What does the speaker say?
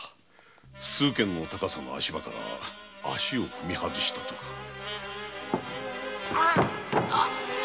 数間の高さの足場から足を踏み外したとか。